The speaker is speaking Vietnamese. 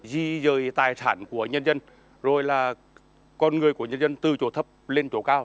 di rời tài sản của nhân dân rồi là con người của nhân dân từ chỗ thấp lên chỗ cao